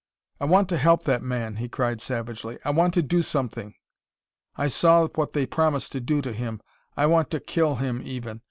"I want to help that man!" he cried savagely. "I want to do something! I saw what they promised to do to him. I want to to kill him, even!